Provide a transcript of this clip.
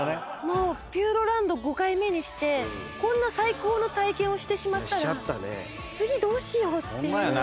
ピューロランド５回目にしてこんな最高の体験をしてしまったら次どうしようっていう。